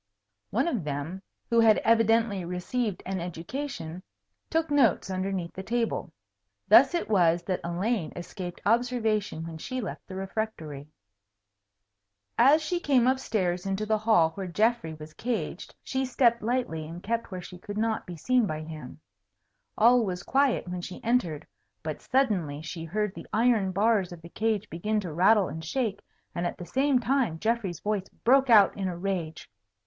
One of them, who had evidently received an education, took notes underneath the table. Thus it was that Elaine escaped observation when she left the refectory. [Illustration: The Baron setteth forth his Plan for circumuenting the Dragon] As she came up stairs into the hall where Geoffrey was caged, she stepped lightly and kept where she could not be seen by him. All was quiet when she entered; but suddenly she heard the iron bars of the cage begin to rattle and shake, and at the same time Geoffrey's voice broke out in rage.